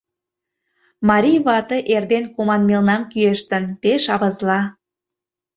Марий вате эрден команмелнам кӱэштын, пеш авызла.